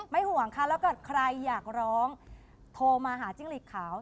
ห่วงค่ะแล้วเกิดใครอยากร้องโทรมาหาจิ้งหลีกขาว